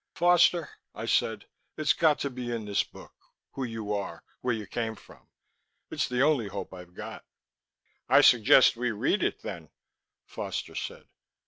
"Foster," I said. "It's got to be in this book; who you are, where you came from It's the only hope I've got." "I suggest we read it, then," Foster said.